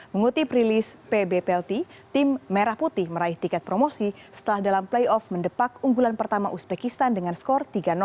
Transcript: mengutip rilis pbplt tim merah putih meraih tiket promosi setelah dalam playoff mendepak unggulan pertama uzbekistan dengan skor tiga